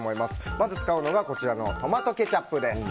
まず使うのがトマトケチャップです。